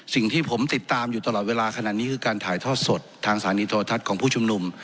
สิ่งที่ผมติดตามอยู่ตลอดเวลาขนาดนี้คือการถ่ายทอดสดทางสถานีโทรทัศน์ของผู้ชุมนุม